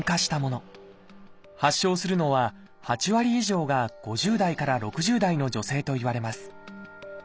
発症するのは８割以上が５０代から６０代の女性といわれます。